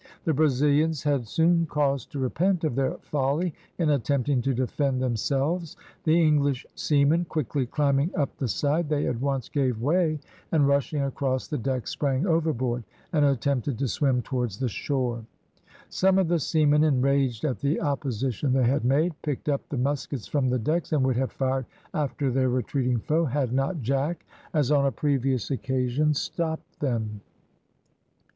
The Brazilians had soon cause to repent of their folly in attempting to defend themselves; the English seamen quickly climbing up the side, they at once gave way, and rushing across the deck sprang overboard, and attempted to swim towards the shore. Some of the seamen, enraged at the opposition they had made, picked up the muskets from the decks, and would have fired after their retreating foe, had not Jack, as on a previous occasion, stopped them.